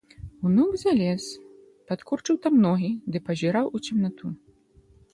Унук залез, падкурчыў там ногі ды пазіраў у цемнату.